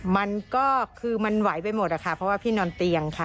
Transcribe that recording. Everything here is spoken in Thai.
มันก็คือมันไหวไปหมดอะค่ะเพราะว่าพี่นอนเตียงค่ะ